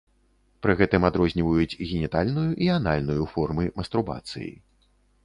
Пры гэтым адрозніваюць генітальную і анальную формы мастурбацыі.